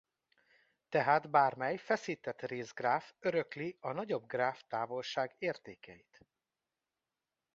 Tehát bármely feszített részgráf örökli a nagyobb gráf távolság-értékeit.